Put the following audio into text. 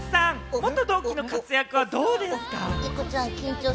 元同期の活躍はどうですか？